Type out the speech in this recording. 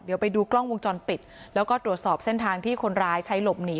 เดี๋ยวไปดูกล้องวงจรปิดแล้วก็ตรวจสอบเส้นทางที่คนร้ายใช้หลบหนี